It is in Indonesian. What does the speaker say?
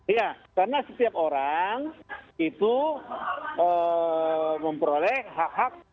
iya karena setiap orang itu memperoleh hak hak